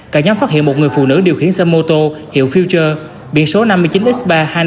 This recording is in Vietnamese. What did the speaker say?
cả nhóm phát hiện một người phụ nữ điều khiển xe mô tô hiệu future biển số năm mươi chín x ba trăm hai mươi năm nghìn tám trăm ba mươi chín